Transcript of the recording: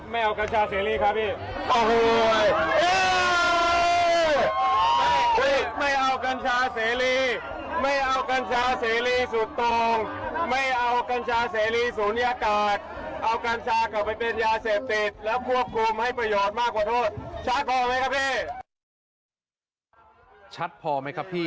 ไม่เอากัญชาเสรีไม่เอากัญชาเสรีสุดตรงไม่เอากัญชาเสรีศูนยากัดเอากัญชากลับไปเป็นยาเสพติดแล้วควบคุมให้ประโยชน์มากกว่าโทษชัดพอไหมครับพี่